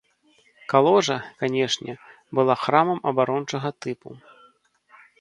Каложа, канешне, была храмам абарончага тыпу.